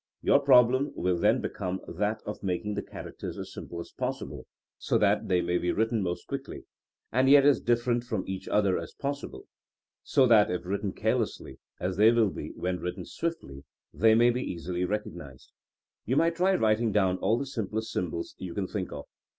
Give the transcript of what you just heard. Your problem will then become that of making the characters as simple as possible, so that they may be writ 42 THINKINO AS A SCIENCE ten most quickly ; and yet as different from each other as possible so that if written carelessly (as they will be when written swiftly), they may be easily recognized. You might try writing down all the simplest symbols you can think of.